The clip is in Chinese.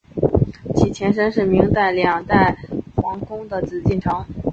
其前身是明清两代皇宫紫禁城。